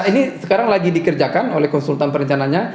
ini sekarang lagi dikerjakan oleh konsultan perencananya